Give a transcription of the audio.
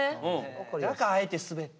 だからあえてスベって。